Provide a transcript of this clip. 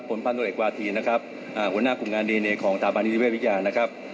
ผลพันธุรกิจกวาธีหัวหน้ากลุ่มงานดีเนียของตราบรรณีฤทธิ์วิทยา